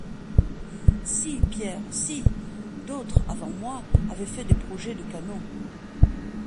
Si, Pierre, si ; d'autres, avant moi, avaient fait des projets de canaux.